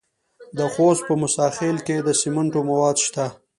د خوست په موسی خیل کې د سمنټو مواد شته.